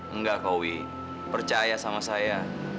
enggak kau wih percaya sama saya